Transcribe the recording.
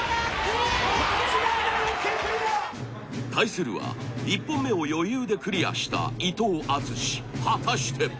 対するは１本目を余裕でクリアした伊藤淳史果たして？